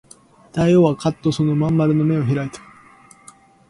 大王はかっとその真ん丸の眼を開いた